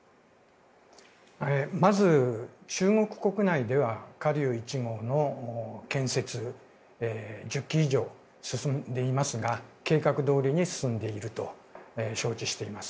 まず、中国国内では華竜１号の建設が１０基以上進んでいますが計画どおりに進んでいると承知しています。